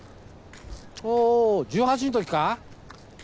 おう１８の時か？